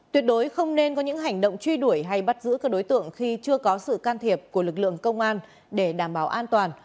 tuyệt đối không nên có những hành động truy đuổi hay bắt giữ các đối tượng khi chưa có sự can thiệp của lực lượng công an để đảm bảo an toàn